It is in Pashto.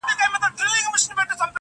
له غمه هېر يم د بلا په حافظه کي نه يم